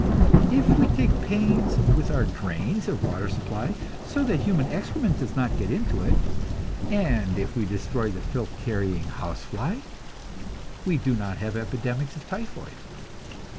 If we take pains with our drains and water supply, so that human excrement does not get into it, and if we destroy the filth carrying housefly, we do not have epidemics of typhoid.